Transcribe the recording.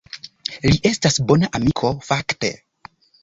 Li estas bona amiko fakte.